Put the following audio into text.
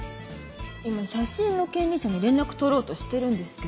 今写真の権利者に連絡取ろうとしてるんですけど。